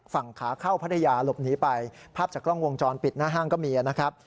ฝั่งขาเข้าพัทยาหลบหนีไปภาพจากกล้องวงจรปิดหน้าห้างก็มีนะครับ